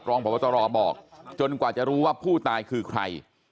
รองพบตรบอกจนกว่าจะรู้ว่าผู้ตายคือใคร